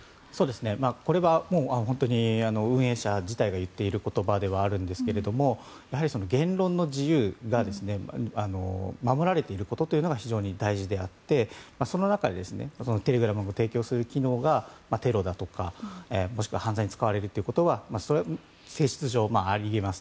これは、本当に運営者自体が言っている言葉ではあるんですが言論の自由が守られていることというのが非常に大事であってその中でテレグラムが提供する機能がテロだとか、もしくは犯罪に使われるということは性質上、あり得ますと。